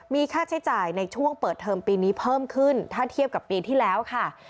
มีค่าใช้จ่ายในช่วงเปิดเทอมปีนี้เพิ่มขึ้นถ้าเทียบกับปีที่แล้วค่ะ